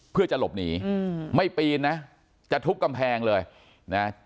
เพื่อจะหลบหนีไม่ปีนนะจะทุบกำแพงเลยนะ